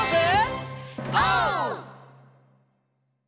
オー！